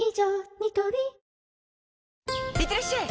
ニトリいってらっしゃい！